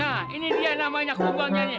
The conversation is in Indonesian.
nah ini dia namanya kembangnya